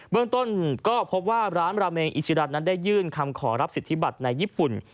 เมืองต้นก็พบว่าร้านราเมงอิชิรัตนั้นได้ยื่นคำขอรับสิทธิบัตรในญี่ปุ่น